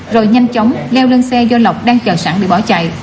rồi nhanh chóng leo lên xe do lộc đang chờ sẵn để bỏ chạy